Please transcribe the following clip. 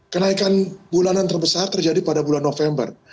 kenaikan bulanan terbesar terjadi pada bulan november